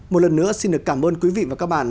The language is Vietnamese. một lần nữa xin được cảm ơn quý vị và các bạn